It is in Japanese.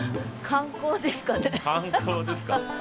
観光ですか。